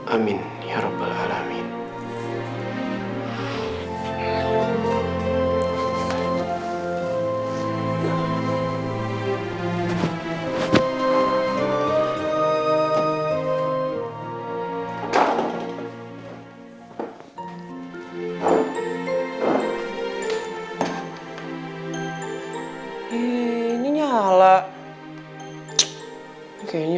amin ya rabbal alamin